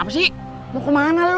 apa ada kaitannya dengan hilangnya sena